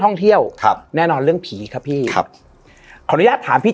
ท่องเที่ยวครับแน่นอนเรื่องผีครับพี่ครับขออนุญาตถามพี่